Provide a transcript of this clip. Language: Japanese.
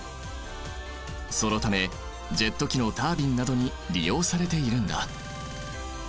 そのためジェット機のタービンなどに利用されているんだ。